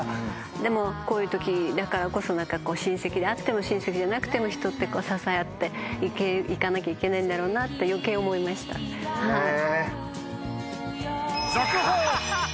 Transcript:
でもこういう時だからこそ親戚であっても親戚じゃなくても人って支え合って行かなきゃいけないんだろうなって余計思いましたはい。ねぇ。